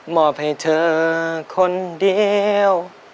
อบให้เธอคนเดียว